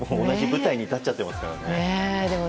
同じ舞台に立っちゃってますからね。